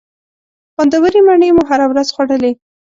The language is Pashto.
خوندورې مڼې مو هره ورځ خوړلې.